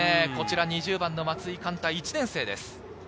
２０番の松井貫太１年生です。